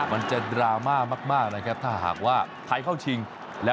มันจะดราม่ามากนะครับถ้าหากว่าไทยเข้าชิง